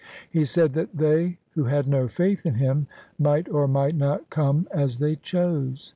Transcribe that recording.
He said that they who had no faith in him might or might not come as they chose.